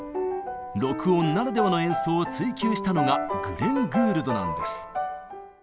録音ならではの演奏を追求したのがグレン・グールドなんです。